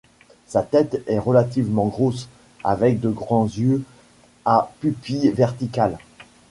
Sa tête est relativement grosse, avec de grands yeux à pupilles verticales.